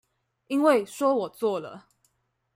因為說我做了